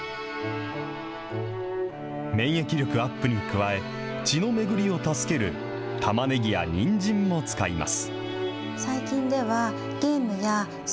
免疫力アップに加え、血の巡りを助けるたまねぎやにんじんも使います。